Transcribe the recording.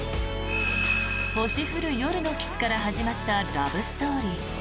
星降る夜のキスから始まったラブストーリー。